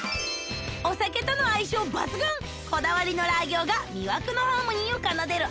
お酒との相性抜群こだわりのラー餃が魅惑のハーモニーを奏でる